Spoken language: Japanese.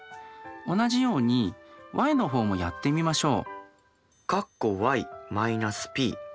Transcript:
同じようにｙの方もやってみましょう。